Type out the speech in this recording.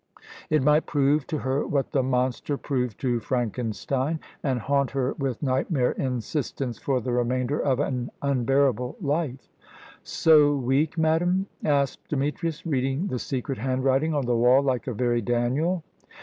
It might prove to her what the monster proved to Frankenstein, and haunt her with nightmare insistence for the remainder of an unbearable life. "So weak, madame?" asked Demetrius, reading the secret handwriting on the wall like a very Daniel.